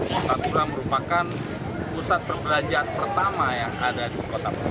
kota tura merupakan pusat perbelanjaan pertama yang ada di kota bogor